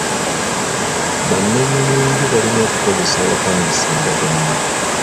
Bannanyini nju balina okukozesa abapangisa endagaano.